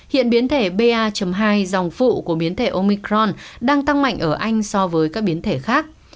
hiện biến thể ba hai dòng phụ của biến thể omicron đang tăng mạnh ở anh so với các biến thể khác